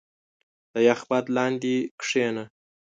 • د یخ باد لاندې کښېنه.